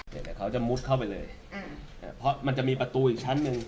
แต่เขาจะมุดเข้าไปเลยเพราะมันจะมีประตูอีกชั้นหนึ่ง